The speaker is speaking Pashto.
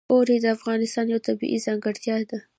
اوړي د افغانستان یوه طبیعي ځانګړتیا ده.